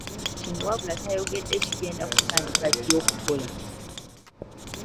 Kino wabula tayogedde kigenda kutandika ddi okukola.